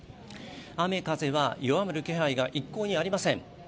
雨・風は弱まる気配が一向にありません。